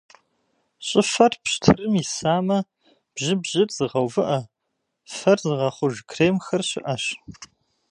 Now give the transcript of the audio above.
Щӏыфэр пщтырым исамэ, бжьыбжьыр зыгъэувыӏэ, фэр зыгъэхъуж кремхэр щыӏэщ.